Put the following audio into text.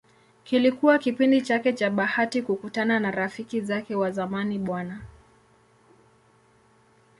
Kilikuwa kipindi chake cha bahati kukutana na marafiki zake wa zamani Bw.